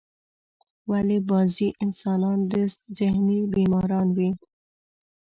ولی بازی انسانان ذهنی بیماران وی ؟